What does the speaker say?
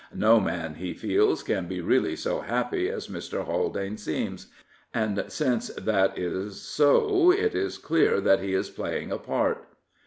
No man, he feels, can be really so happy as Mr. Haldane seems, and since that is so it is clear that he is pla3dng a part.